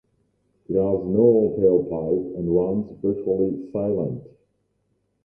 It has no tailpipe and runs virtually silent.